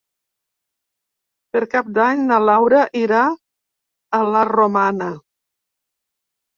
Per Cap d'Any na Laura irà a la Romana.